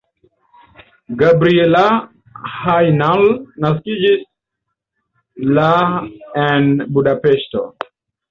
Gabriella Hajnal naskiĝis la en Budapeŝto.